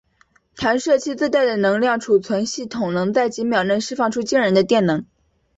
弹射器自带的能量存储系统能在几秒内释放出惊人的电能。